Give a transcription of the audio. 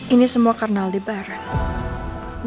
ini semua karena aldi bareng